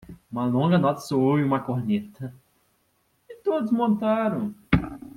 Uma longa nota soou em uma corneta? e todos montaram.